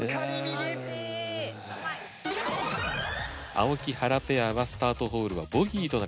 青木・原ペアはスタートホールはボギーとなりました。